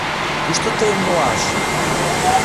— Кушто тыйым муаш?